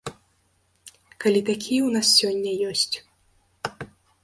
Калі такія ў нас сёння ёсць.